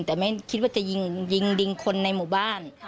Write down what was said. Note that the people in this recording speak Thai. แต่ไม่คิดว่าจะยิงยิงคนในหมู่บ้าน